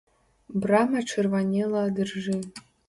Брама чырванела ад іржы.